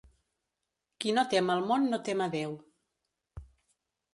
Qui no tem al món, no tem a Déu.